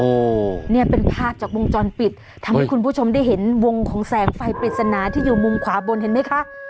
โอ้โหเนี่ยเป็นภาพจากวงจรปิดทำให้คุณผู้ชมได้เห็นวงของแสงไฟปริศนาที่อยู่มุมขวาบนเห็นไหมคะ